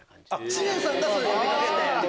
知念さんが呼びかけて！